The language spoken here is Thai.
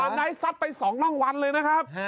ฟานไดค์ซัดไป๒ร่องวันเลยนะครับ